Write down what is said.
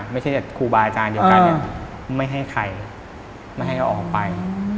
ไม่ใช่แต่ครูบาอาจารย์เดียวกันไม่ให้ใครไม่ให้เขาออกไป